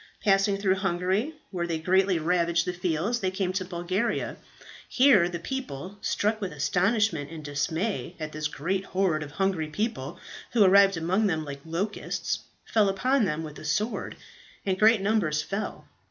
"Passing through Hungary, where they greatly ravaged the fields, they came to Bulgaria. Here the people, struck with astonishment and dismay at this great horde of hungry people who arrived among them like locusts, fell upon them with the sword, and great numbers fell.